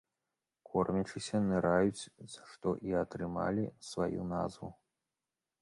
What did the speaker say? Кормячыся, ныраюць, за што і атрымалі сваю назву.